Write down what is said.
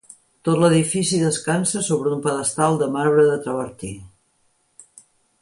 Tot l'edifici descansa sobre un pedestal de marbre de travertí.